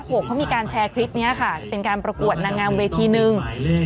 เขามีการแชร์คลิปนี้ค่ะเป็นการประกวดนางงามเวทีนึง